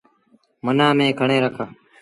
منآن ميٚڻن کڻي رک۔